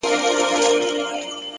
هوډ د شکمنو قدمونو لارښود دی!